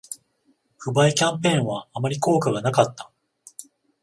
不買キャンペーンはあまり効果がなかった